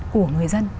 của người dân